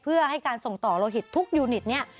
เพื่อให้การส่งต่อโลหิตทุกยูนิตเนี่ย